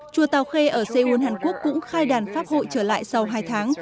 chùa tàu khê ở seoul hàn quốc cũng khai đàn pháp hội trở lại sau hai tháng